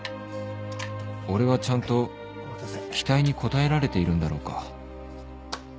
俺はちゃんと期待に応えられているんだろうか